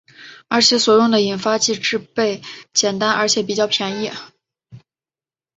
而且所用的引发剂制备简单而且比较便宜。